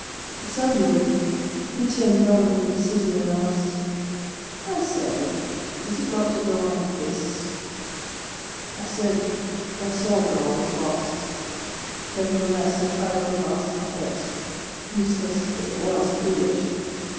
But suddenly he turned round with indecision, and asked, —" I say, — it is not to go out of this ?" I SP.W that all was lost ; nevertheless, I tried one last effort, useless as it was foolish.